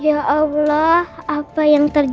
ya allah apa yang terjadi